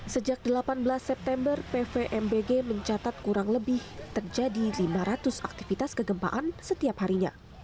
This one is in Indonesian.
sejak delapan belas september pvmbg mencatat kurang lebih terjadi lima ratus aktivitas kegempaan setiap harinya